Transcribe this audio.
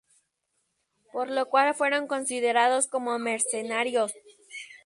Por lo cual fueron considerados como mercenarios.